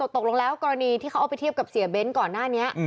ตกลงแล้วกรณีที่เขาเอาไปเทียบกับเสียเบ้นก่อนหน้านี้